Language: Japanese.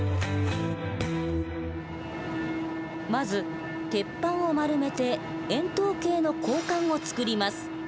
まず鉄板を丸めて円筒形の鋼管を造ります。